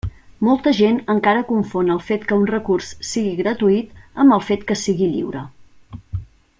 Molta gent encara confon el fet que un recurs sigui gratuït amb el fet que sigui lliure.